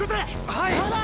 はい！